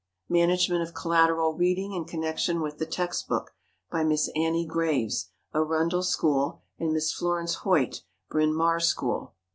"Management of Collateral Reading in Connection with the Text Book," by Miss Annie Graves, Arundell School, and Miss Florence Hoyt, Bryn Mawr School.